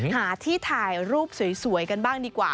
หาที่ถ่ายรูปสวยกันบ้างดีกว่า